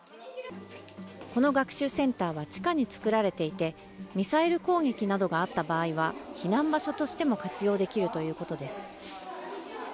この学習センターは地下に作られていて、ミサイル攻撃などがあった場合は避難場所としても活用できるということです。